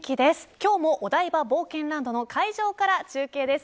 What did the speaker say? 今日もお台場冒険ランドの会場から中継です。